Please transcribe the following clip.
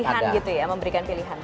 pilihan gitu ya memberikan pilihan